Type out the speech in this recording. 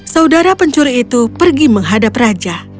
saudara pencuri itu pergi menghadap raja